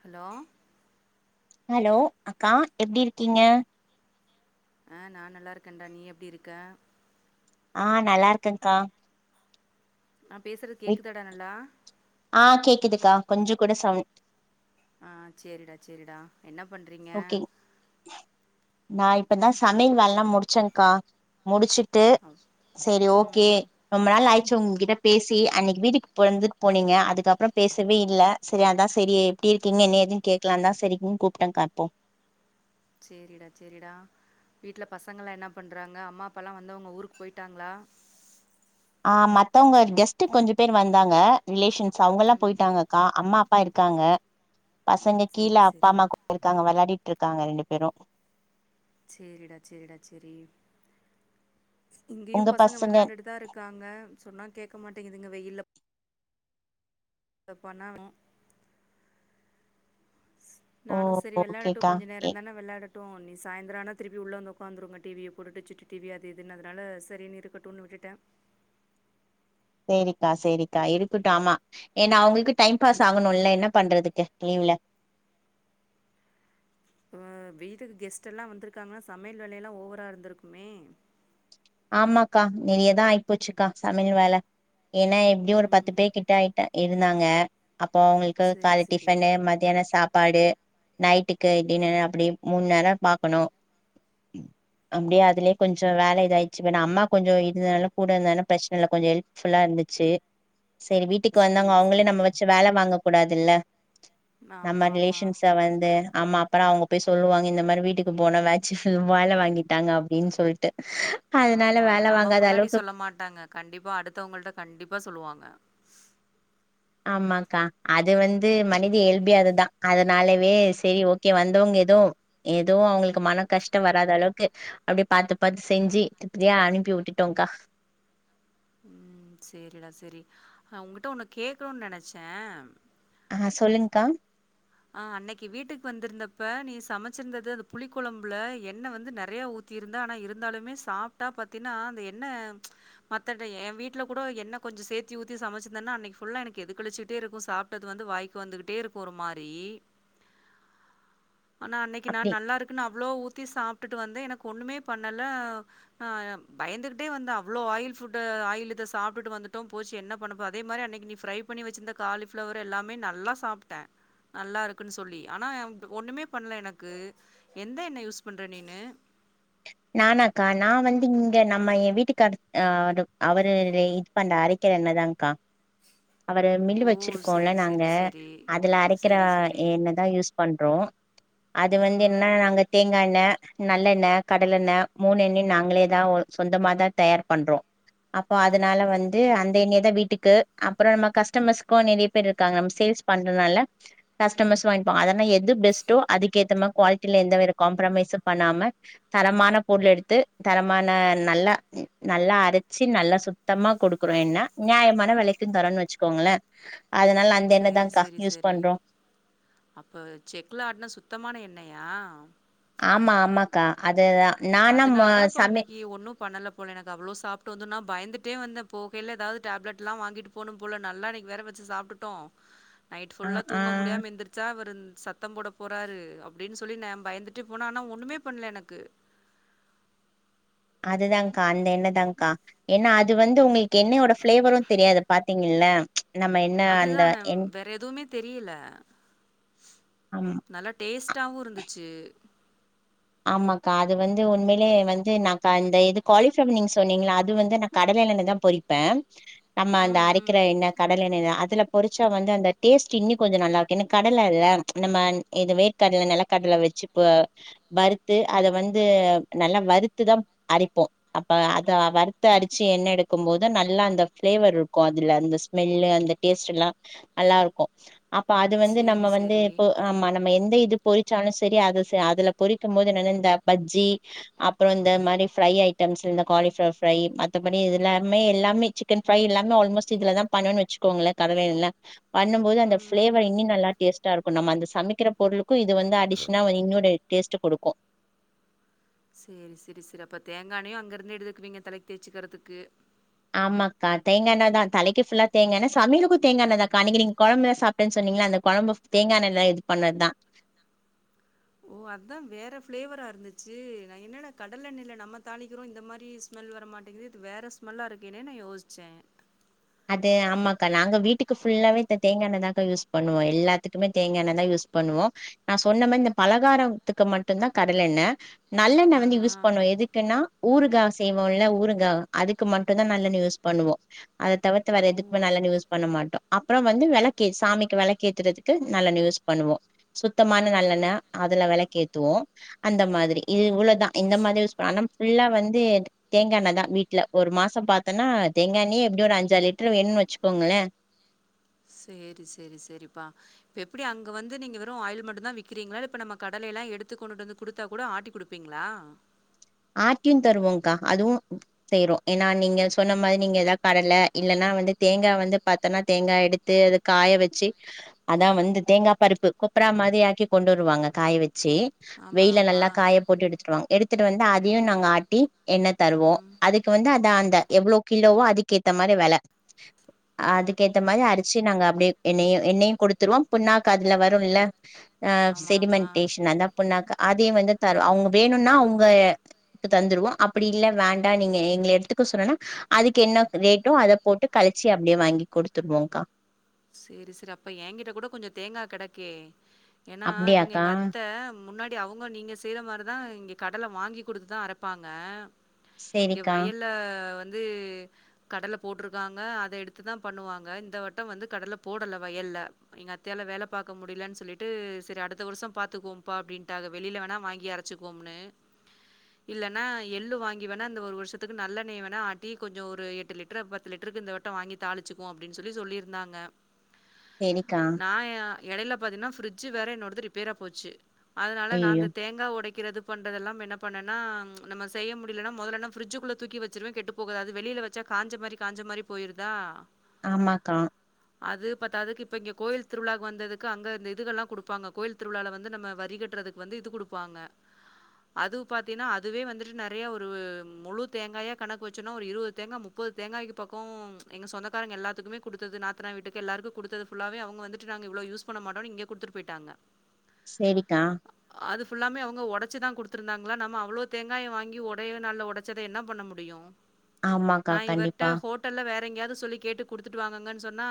Hello hello அக்கா எப்பிடி இருக்கீங்க ஆ நா நல்லா இருக்கேன்டா நீ எப்பிடி இருக்க ஆ நல்லா இருக்கங்கா நா பேசுறது கேக்குதாடா நல்லா ஆ கேக்குதுக்கா கொஞ்ச கூட சவுண் ஆ சேரிடா சேரிடா என்ன பண்றீங்க ஓகே நா இப்பதா சமையல் வேலல்லா முடிச்சேன்கா முடிச்சி ட்டு சரி ம் ஓகே ம் ரொம்ப நாள் ஆய் சோ உங்கிட்ட பேசி அன்னிக்கு வீட்க்கு பொறந்துட்டு போனீங்க அதுக்கப்புறோ பேசவே இல்ல சரி அதா சரி எப்பிடி இருக்கீங்க என்ன ஏதுன்னு கேட்கலாந்தா சரிங்கன்னு கூப்ட்டங்கா போ சேரிடா சேரிடா வீட்டுல பசங்கலா என்ன பண்றாங்க அம்மா அப்பால்லா வந்தவங்க ஊருக்கு போயிட்டாங்களா ஆ மத்தவங்க கெஸ்ட்டு கொஞ்ச பேர் வந்தாங்க ரிலேஷன்ஸ் அவங்க எல்லா ம் போயிட்டாங்கக்கா அம்மா ப்பா இருக்காங்க பசங்க கீழே சேரி அப்பா சேரி அம்மா கூ இருக்காங்க விளையாடிட் ட்டு இருக்காங்க ரெண்டு பேரு சேரிடா சேரிடா சேரி இங்கேயு பசங்க விளாண்டுட்டுதா இருக்காங்க சொன்னா கேட்க மாட்டேங்குதுங்க வெயில அத பண்ணானு ஓ நானு சரி விளாடட்டு ஓகேக்கா கொஞ்ச ஏ நேரோதான விளாட ட்டு நீ சாயந்தர ஆனா திருப்பி உள்ள வந்து உடக்காந்துருங்க டிவிய போட்டுட்டு சுட்டு டிவி அது இதுன்னு அதனால சரின்னு இருக்கட்டுன்னு விட்டுட்டே சேரிக்கா சேரிக்கா இருக்கட்டு ஆமா ஏன்னா அவுங்களுக்கு டைம் பாஸ் ஆகனுல்ல என்ன பண்றதுக்கு லீவ்ல ம் வீட்டுக்கு கெஸ்ட் எல்லா வந்திருக்காங்கன்னா சமையல் வேலைய எல்லா ஓவரா இருந்திருக்குமே ஆமாக்கா நிறைதா ஆயிப்போச்சிக்கா சமையல் வேல ஏன்னா எப்பிடி ஒரு பத்து ம் பேகிட்ட ஆயிட்ட இருந்தாங்க அப்போ அவங்களுக்கு சேரி கால் சேரி டிஃபனு மதியான சாப் பாடு நைட்டுக்கு டின்னர் அப்பிடி மூன் நேரம் பாக்கணு அப்பிடியே அதுலியே கொஞ்ச வேல இதாய் ச்சிப்பே அம்மா கொஞ்சோ இருந்தனால கூட இருந்தால பிரச்சன இல்ல கொஞ்ச ஹெல்ப்ஃபுல்லா இருந்துச்சி சேரி வீட்டுக்கு வந்தாங்க சேரி அவங்களே சேரி நம்ம வச்சி வேல வாங்க கூடாதுல்ல நம்ம ஆமா ஆமா ரிலேஷன்ஸ வந்து அம்மா அப்பறோ அவங்க போய் சொல்லுவாங்க இந்த மாரி வீட்டுக்கு போனே வேச்சி ஃபுல் வேல வாங்கிட்டாங்க அப்டின்னு சொல்லிட்டு ஆமா ஆமா நம்ம முன்னாடி சொல்ல மாட்டாங்க கண்டிப்பா அடுத்தவங்கள்ட்ட கண்டிப்பா சொல்லுவாங்க ஆமாக்கா அது வந்து மனித இயல்பேஅதுதா அதனாலவே சரி ஓகே வந்தவங்க எதோ எதவு அவங்களுக்கு மன கஷ்டோ வராத அளவுக்கு அப்படி பாத்து பாத்து செஞ்சு திருப்தியா அனுப்பி விட்டுட்டோங்க்கா உ சேரிடா சேரிநா உங்கிட்ட ஒன்னு கேக்கணும்னு நனச்சே ஆ சொல்லுங்க்கா ஆ அன்னைக்கு வீட்டுக்கு வந்திருந்தப்ப நீ சமைச்சிருந்தது அந்த புளி குழம்புல எண்ண வந்து நறையா ஊத்திருந்தா ஆனா இருந்தாலுமே சாப்ட்டா பாத்தீன்னா அந்த எண்ன மத்தத எ வீட்டுல கூடோ என்ன கொஞ்சோ சேர்த்தி ஊத்தி சமச்சிருந்தேன்னா அன்னைக்கு ஃபுல்லா எனக்கு எதுகழிச்சுட்டே இருக்கு சாப்ட்டது வந்து வாய்கு வந்துகிட்டே இருக்கு ஒரு மார் ரி ஆனா அன்னைக்கு நா அப்டி நல்லா இருக்குனு அவ்ளோ ஊத்தி சாப் ப்ட்டுட்டு வந்து எனக்கு ஒண்ணுமே பண்ணல ஆ பயந்துகிட்டே வந்தே அவ்ளோ ஆயில் ஃபுட்டு ஆயில் இத சாப்ட்டுட்டு வந்துட்டோ போச்சு என்ன பண்ணப்போ அதே மாரி அன்னைக்கு நீ ஃப்ரை பண்ணி வச்சிருந்த காலிஃபிளவர் எல்லாமே நல்லா சாப்ட்டே நல்லா இருக்குன்னு சொல்லி ஆனா ஒன்னுமே பண்ணல எனக்கு எந்த எண்ண யூஸ் பண்ற நீனு நானாக்கா நா வந்து இங்க நம்ம எ வீட்டுக்கார அ அவரு இது பண்ற அரக்கிற என்னதாங்க்கா அவரு மில் ஓ! வச்சிருக்கோல சரி, நாங்க சரி, சரி. அதில அரைக்கிற சரி, சரி. என்ன தா யூஸ் பண்றோ அது ம், வந்து என்ன ம். நாங்க தேங்கா எண்ண நல்லன்ன கடலென்ன மூணு எண்ணயு நாங்களே தா சொந்தமாதா தயார் பண்றோ அப்போ அதனால வந்து அந்த எண்ணய த வீட்டுக்கு அப்றோ நம்ம கஸ்டமர்ஸ்க நறைய பேர் இருக்காங்க நம்ம சேல்ஸ் பண்றனால கஸ்டமர்ஸ் வாங்கிப்ப அதனா எது பெஸ்ட்டோ அதுக்கேத்த மாரி குவாலிட்டில எந்த வே காம்ப்ரமைசு பண்ணாம தரமான பொருள் எடுத்து தரமான நல்லா நல்லா அரைச்சு நல்லா சுத்தமா கொடுக்குறோன்னா நியாயமான விலைக்கும்ன்னு தரோன்னு வச்சுக்கோங்களே சேரி சேரி சேரி அப்ப செக்ல ஆட்னா சுத்தமான எண்ண யா ஆமா ஆமாக்கா அது ஆ அதனால தாபா அன்னைக்கு ஒன்னு பண்ணல போல எனக்கு அவ்ளோ சாப்ட்டு வந்து நா பயந்துட்டே வந்தே போகையில ஏதாவது டேப்லெட் எல்லா வாங்கிட்டு போணு போல நல்லா இன்னைக்கு வேற வச்சு சாப்ட்டுட்டோ ஆ நைட்ஃபுல்லா ஆ தூங்க முடியாம எந்திரச்சா அவர் சத்தோ போட போறாரு அப்டின்னு சொல்லி ந பயந்துட்டே போனா ஆனா ஒண்ணுமே பண்ணல எனக்கு அதுதான்கா அந்த என்ணதான்கா ஏன்னா அது வந்து உங்களுக்கு என்னயோட ஃப்ளேவரு தெரியாது பாத்தீங்கல்ல நம்ம என்ன அந்த அதுதான என் வேற எதுவுமே தெரியல ஆமா நல்ல டேஸ்ட் டாவு இருந்துச்சு ஆமாக்கா அது வந்து உண்மையிலே வந்து நக்கா அந்த இது குவாலிஃப நீங்க சொன்னீங்கள அது வந்து நா கடலென்னைலதா பொறிப்பே நம்ம அந்த ம், அரைக்கிற ம். என்ன கட டலெண்ணதா அதுல பொரிச்சா வந்து அந்த டேஸ்ட் இன்னு கொஞ்ச நல்லா இருக்கு ஏன்னா கடல இல்ல நம்ம இது வேர்க்கடல நெலக்கடல வச்சு ப்ப வறுத்து அத வந்து நல்லா வறுத்துதா அரைப்போ அப்ப அத வறுத்து அரைச்சு எண்ணெ எடுக்கும் போதுதா நல்லா அந்த ஃபிளேவர் இருக்கு அதுல அந்த ஸ்மெல்லு அந்த டேஸ்ட்டுல்லா நல்லா இருக்கு அப்ப அது வந்து நம்ம சரி, வந்து சரி. இப்ப ஆமா நா நம்ம எந்த இது பொரிச்சாலு சரி அது அதுல பொரிக்கும் போது என்னனா இந்த பஜ்ஜி அப்றோ இந்த மாரி ஃப்ரை ஐட்டம்ஸ் இந்த காலிஃப்ளவர் ஃப்ரை மத்தபடி இது எல்லாமே எல்லாமே சிக்கன் ஃப்ரை எல்லாமே ஆல்மோஸ்ட் இதுலதா பண்ணணுன் வச்சுக்கோங்களே கடல எண்ண பண்ணும்போது அந்த ம், ம். ஃப்ளேவர் இன்னு நல்லா டேஸ்ட் டா இருக்கு நம்ம அந்த சமைக்கிற பொருளு க்கு இது வந்து அடிஷனா இன்னொரு டேஸ்ட்ட குடுக்கு சேரி செரி செரி அப்ப தேங்கா எண்ணெயு அங்க இருந்து எடுத்துக்குவீங்க தலைக்கி தேச்சுக்கிறதுக்கு ஆமாக்கா தேங்கா எண்ணெதா தலைக்கு ஃபுல்லா தேங்கா எண்ணெ சமையலுக்கு தேங்கா எண்ணதாக்கா அன்னைக்கி நீங்க கொழம்புல்லா சாப்ட்டேன்னு சொன்னீங்கல்ல அந்த கொழம்பு தேங்கா எண்ணைல இது பண்ணதுதா ஓ அதா வேற ஃபிளேவரா இருந்துச்சு நா என்னடா கடல எண்ணெயில நம்ம தாளிக்கிறோ இந்த மாரி ஸ்மெல் வர மாட்டேங்குது இது வேற ஸ்மெல்லா இருக்கேன்னுன்னு யோசிச்சே அது ஆமாக்கா நாங்க வீட்டுக்கு ஃபுல்லாவே இந்த தேங்கா எண்ணதாக்கா யூஸ் பண்ணுவோ எல்லாத்துக்குமே தேங்காய் எண்ணைதா யூஸ் பண்ணுவோ நா சொன்ன மாரி இந்த பலகாரத்துக்கு மட்டும்தா கடல எண்ணெ நல்லெண்ண ஆ வந்து யூஸ் ஆ பண்ணுவ எதுக்குன்னா ஊறுகா செய்வோம் இல்ல ஊறுகா அதுக்கு மட்டும்தா நல்லெண்ணெ யூஸ் பண்ணுவோ தவிர்த்து வேற ஓ எதுக்குமே நல்லெண்ண யூஸ் பண்ண மாட்டோ அப்புற வந்து வெளக்கு சாமிக்கு வெளக்கேத்துறதுக்கு நல்லெண்ணெ யூஸ் பண்ணுவோ சுத்தமான நல்லெண்ண ம் அதுல வெளக்கேத் துவோ அந்த மாதிரி இது இவ்ளோதா இந்த மாதிரி யூஸ் பண்ணாலு ஃபுல்லா வந்து தேங்கா எண்ணெதா வீட்ல ஒரு மாசோ பாத்தோன்னா தேங்கா எண்ணயே எப்டியு ஒரு அஞ்சாறு லிட்ரு வேணுன்னு வெச்சுக்கோங்களே சேரி சேரி சேரிப்பா இப்ப எப்டி அங்க வந்து நீங்க வெறு ஆயில் மட்டுந்தா விக்கிறீங்களா இல்ல இப்ப நம்ம கடல எல்லா எடுத்து கொண்டுட்டு வந்து குடுத்தா கூட ஆட்டி குடுப்பீங்களா ஆட்டியு தருவோங்க்கா அதுவு செய்றோ ஏன்னா நீங்க சொன்ன மாரி நீங்க எதா கடல இல்லன்னா வந்து தேங்கா வந்து பாத்தோன்னா தேங்கா எடுத்து அது காய வச்சு அதா வந்து தேங்கா பருப்பு கொப்ரா மாரி ஆக்கி கொண்டு வருவாங்க காய வச்சி ஆமா வெயில்ல ஆமா நல்லா காய போட்டு எடுத்துட்டு வருவாங் எடுத் துட்டு வந்து அ தயு நாங்க ஆட்டி எண்ணெ தருவோ ம் அதுக்கு வந்து அத அந்த எவ்ளோ கிலோவோ அதுக்கேத்த மாரி வெல அதுக்கேத்த மாரி அரச்சு நாங்க அப்டியே எண்ணெயு எண்ணெயு குடுத்துருவோ புண்ணாக்கு அதுல வரு இல்ல ஆ ஆமா ஆமா செடிமென்டேஷன் அதா புண்ணாக்கா அதையு வந்து தருவோ அவுங்க வேணுன்னா அவுங்க ளுக்கு தந்துருவோ அப்பிடி இல்ல வேண்டா நீங்க எங்கள எடுத்துக்க சொன்னோனா அதுக்கு என்ன ரேட்டோ அத போட்டு கழிச்சு அப்டியே வாங்கி குடுத்துருவோங்க்கா சேரி சேரி அப்ப ஏங்கிட்ட கூட கொஞ்ச தேங்கா கெடக்கே ஏன்னா இவங்க அப்படியாக்கா எங்க அத்த முன்னா டி அவங்க நீங்க செய்யற மாரிதா இங்க கடல வாங்கி குடுத்துதா அரப்பாங்க இங்க சரிக்கா வயல்ல ந்து கடல போட்ருக்காங்க அத எடுத்துதா பண்ணுவாங்க இந்த வட்டோ வந்து கடல போடல வயல்ல எங்க அத்தையால வேல பாக்க முடியலன் சொல்லிட்டு சேரி அடுத்த வருசம் பாத்துக்குவோம்பா அப்பிடின்டாங்க வெளில வேணா வாங்கி அரச்சிகுவோம்னு இல்லனா எள்ளு வாங்கி வேணா இந்த ஒரு வருஷ்த்துக்கு நல்லெண்ணய வேணா ஆட்டி கொஞ்சோ ஒரு எட்டு லிட்டரு பத்து லிட்டர்க்கு இந்த வட்டம் வாங்கி தாளிச்சிக்குவோ அப்பிடின் சொல்லி சொல்லிரு ந்தாங்க சரிக்கா நா எ எடையில பாத்தீங்கன்னா பிரிட்ஜ் வேற என்னொட து ரிப்பேரா போச்சி அதனால நா ஐயோ இந்த தேங்கா ஒடைக் க்கிறது பண்றதெல்லா என்ன பண்ணனா நம செய்ய முடியலன்னா முதல்லன ஃப்ரிட்ஜிக்குள்ள தூக்கி வச்சிருவே கெட்டு போகாது வெளிய வச்சா காஞ்ச மாரி காஞ்ச மாரி போயிருதா ஆமாக்கா அது பத்தாததுக்கு இப்ப இங்க கோயில் திருவிழாக்கு வந்ததுக்கு அங்க இந்த இதுகல்லா குடுப்பாங்க கோயில் திருவிழால வந்து நம்ம வரிகட்டுறதுக்கு வந்து இது குடுப்பாங்க அது பாத்தீன்னா அதுவே வந்துட்டு நெறைய ஒரு முழு தேங்காயா கணக்கு வச்சோன்னா ஒரு இருவது தேங்கா முப்பது தேங்காய்க்கு பக்கோ எங்க சொந்தக்காரங்க எல்லாத்துக்குமே குடுத்தது நா ட்ர வீட்டுக்கு எல்லாருக்கு குடுத்தது ஃபுல்லாவே அவங்க வந்துட்டு நாங்க இவ்ளோ யூஸ் பண்ண மாட்டோனு இங்க குடுத்து போயிட்டாங்க சரிக்கா அது ஃபுல்லாமே அவங்க ஒடச்சிதா குடுத் த் இருந்தாங்களா நம்ம அவ்ளோ தேங்காய வாங்கி ஒடே நாள்ல ஒ ஒடச்சத என்ன பண்ண முடியு ஆமாக்கா நா இவர்ட்ட கண்டிப்பா ஹோட்டல்ல வேற எங்கேயாது சொல்லி கேட்டு குடுத்துட்டு வாங்கங்கன் சொன்னா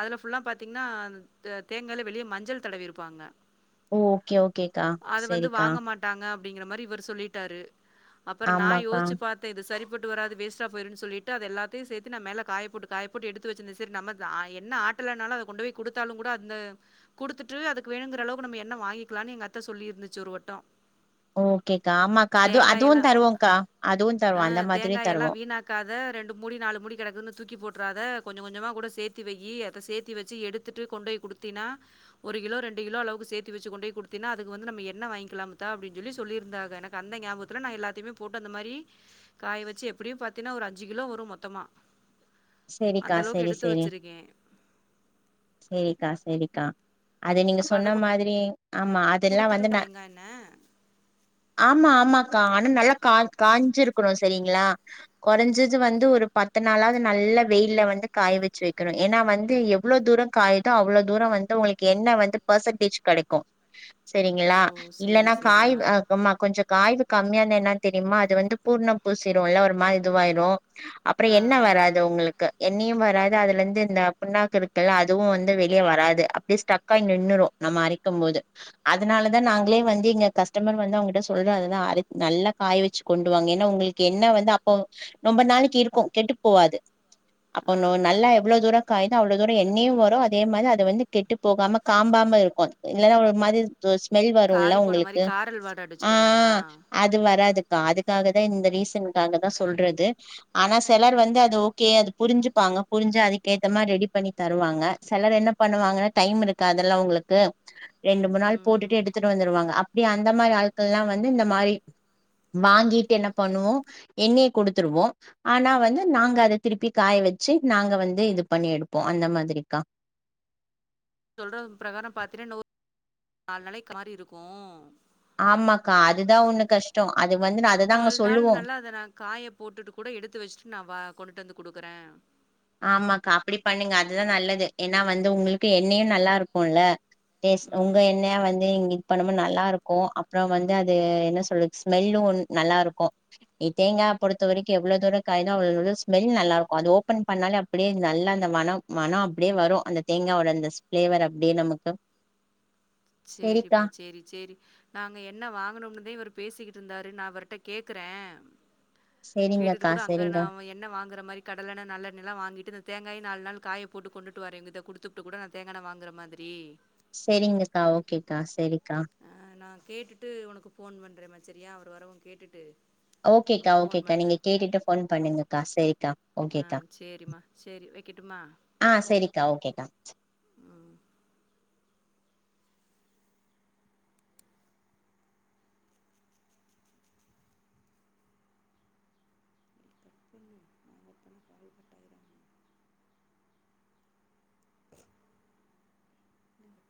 அதுல ஃபுல்லா பாத்தீங்கன்னா இந்த தேங்காய்ல வெளிய மஞ்சள் தடவி இருப்பாங்க ஓ ஓகே ஓகேக்கா சேரிக்கா அப்பிடிங்கற மாரி இவர் சொல்லிட்டாரு அப்புறோ நா ஆமாக்கா யோசிச்சி பாத்தே இது சரி போட்டு வராது வேஸ்டா போயிருனு சொல்லிட்டு அத எல்லத்தியு சேத்து நா மேல காய போட்டு காய போட்டு எடுத்து வச்சிருந்த சரி நம்மதா எண்ணெ ஆட்டலனாலு அத கொண்டு போய் குடுத்தாலு கூட அந்த குடுத்துட்டு அதுக்கு வேணுங்கிற அளவுக்கு நம்ம எண்ணெ வாங்கிக்கலானு எங்க அத்த சொல்லி இருந்துச்சி ஒருவட்டோ ஓகேக்கா ஆமாக்கா அது தேங்காய் அதுவு எல்லா தருவோங்க்கா அதுவு தருவோ அ அந்த மாதிரியு தேங்காய் எல்லா தருவோ வீணாக்காத ரெண்டு மூடி நாலு மூடி கெடக்குதுன்னு தூக்கி போட் க்காத கொஞ்ச கொஞ்சமா கூட சேத்தி வையி அத சேத்தி வச்சி எடுத்துட்டு கொண்டு ஓய் குடுத்தீனா ஒரு கிலோ ரெண்டு கிலோ அளவுக்கு சேத்தி வச்சி கொண்டு ஓய் குடுத்தீனா அதுக்கு வந்து நம்ம என்ன வாங்கிக்கலா தா அப்பிடின் சொல்லி சொல்லிருந்தாங்க எனக்கு அந்த ஞாபத்துல நா எல்லாத்தியுமே போட்டு அந்த மாரி காய வச்சி எப்பிடியு பாத்தீன்னா ஒரு அஞ்சு கிலோ வரு மொத்தமா சேரிக்கா அந்த அளவுக்கு சேரி சே எடுத்து சேரி வச்சிருக்கேன். சேரிக்கா சேரிக்கா அத நீங்க அப்ப சொன்ன கொ மாதிரி ஆமா அதெல்லா குடுத்துட்டு வந்து ந தேங்கா எண்ணெ. ஆமா ஆமா கா ஆனா நல்லா கா காஞ்சிருக்கனு சரிங்களா கொறஞ்சது வந்து ஒரு பத் த்து நாலாது நல்ல வெயில்ல வந்து காய வச்சிவைக்கனு ஏன்னா வந்து எவ்ளோ தூரோ காயுதோ அவ்ளோ தூரோ வந்து உங்களுக்கு என்ன வந்து பர்சன்டேஜ் கடைக்கு ஓ! சரிங்களா இல்லன்னா சரி காய் சரிம்மா. வகமா கொஞ்ச காய்வு கம்மியான என்னன்ன தெரியுமா அது வந்து பூர்ணம் பூசிரும்ல்ல ஒரு மாதி இதுவாயிரு ஆ ஆ ஆ ருக்கு எண்ணையு வராது அதுல இருந்து இந்த புண்ணாக்கு இருக்குல்ல அதுவு வந்து வெளிய வராது அப்டிய ஸ்டக் ஆய் நின்னுரு நம்ம அரைக்கும் போது அதனாலதா நாங்களே வந்து எங்க கஸ்டமர் வந்து அவங்கிட்ட சொல்ற அததா நல்லா காய வச்சு கொண்டுவாங்க ஏன்னா உங்களுக்கு என்ன வந்து அப்போ ரொம்ப நாளைக்கு இருக்கு கெட்டு போவாது அப்ப ஆ நும் நல்லா ஆ. எவ்ளோதூரோ காயுதோ அவ்ளோதூரோ எண்ணயு வரு அதே மாரி அத வந்து கெட்டு போகாம காம்பாம இருக்கு இல்லன்னா ஒரு மாரி ஜோ ஸ்மெல் வரும்ல காறி போன மாரி உங்களுக்கு காரல் வாட ஆ அடிச்சுரும்லண்ணா? அது வராது அதுக்காக தா இந்த ரீசன்க்காக தா சொல்றது ஆனா சிலர் வந்து அது கே அது புரிஞ்சுப்பாங்க புரிஞ்சு அதுக் ஏத்தமாரி ரெடி பண்ணி தருவாங்க சிலர் என்ன பண்ணுவாங்கன்னா டைம் இருக்காதுல்ல அவ்ங்களுக்கு ரெண்டு மூணு நாள் ம். போட்டுட்டு எடுத்துட்டு வந்துடுவாங்க அப்டி அந்த மாரி ஆள்களல்லா வந்து இந்த மாரி வாங்கிட்டு என்ன பண்ணுவோ என்னயே கொடுத்துருவோ ஆனா வந்து நாங்க அது திருப்பி காய வச்சு நாங்க வந்து இது பண்ணி எடுப்போ அந்த மாதிரிக்கா சொல்றதுக் பிரகாரோ பாத்தேன்ன நாலு நாளேக் காறிருக்கு ஆமாக்காஅத் நாலு நாள் சொல்லுவோ நல்லா அத நா காய போட்டுட்டு கூட எடுத்து வச்சுட்டு நா வா கொண்டுட்டு வந்து குடுக்குறே ஆமாக்கா அப்டி பண்ணுங்க அதுதா நல்லது ஏன்னா வந்து உங்களுக்கு என்னையு நல்லா இருக்கும்ல டேஸ்ட் உங்க ம். என்ன வந்து எங்க பண்ணம நல்லா இருக்கு அப்புற வந்து அது என்ன சொல்றது ஸ்மெல்லு நல்லா இருக்கு தேங்கா பொறுத்த வரைக்கு எவ்வள தூரோ காயுதோ அவள [unintelligible] ஸ்மெல் நல்லா இருக்கு அது ஓப்பன் பண்ணாலே அப்டியே நல்லா அந்த மனோ மனோ அப்டியே வரு அந்த தேங்காவோட அந்த ஃபிளேவர் அப்டியே நமக்கு செரிக்கா சேரிப்பா சேரி சேரி நாங்க என்ன வாங்கனும்னுதே இவர் பேசிக்கிட் இருந்தாரு நா அவர்ட்ட கேக்குறே கேட்டது செரிங்கக்கா கூட அங்க செரிங்க நா எண்ண வாங்குற மாரி கடலெண்ண நல்லெண்ணெல்லா வாங்கிட்டு ந்தேங் காய் நால்நாள் காயப்போட்டு கொண்டுட்டு வரேங்குது குடுத்துப்ட்டு கூட நா தேங்காண்ண வாங்குற மாதிரி சேரிங்கக்கா ஓகேக்கா சரி அ நா கேட்டுட்டு ஒனக்கு ஃபோன் பண்றே மதி சரியா அவர் வரவு கேட்டுட்டு ஓகேக்கா உனக்கு ஃபோன் ஓகேக்கா நீங்க பண்றேன். கேட்டுட்டு ஃபோன் பண்ணுங்கக்கா சேரிக்கா ஆ ஓகேக்கா சரிம்மா. சரி வைக்கட்டுமா? அ செரிக்கா ஓகேக்கா [inaudible]